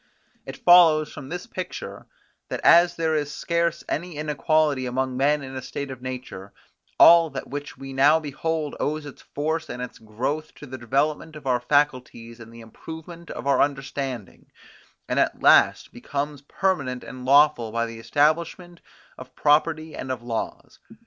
It follows from this picture, that as there is scarce any inequality among men in a state of nature, all that which we now behold owes its force and its growth to the development of our faculties and the improvement of our understanding, and at last becomes permanent and lawful by the establishment of property and of laws.